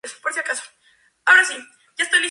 Cuello corto.